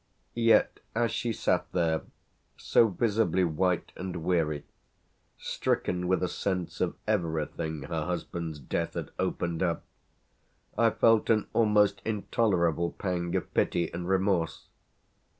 Yet as she sat there so visibly white and weary, stricken with a sense of everything her husband's death had opened up, I felt an almost intolerable pang of pity and remorse.